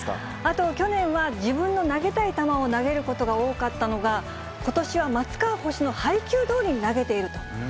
あと、去年は自分の投げたい球を投げることが多かったのが、ことしは松川捕手の配球どおりに投げていると。